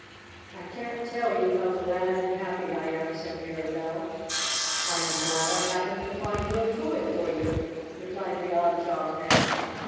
"I can't tell you how glad and happy I am," said Mirabell. "I am glad I happened to find your toy for you," replied the odd job man.